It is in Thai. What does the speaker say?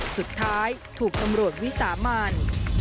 สุดท้ายถูกตำรวจวิสามัน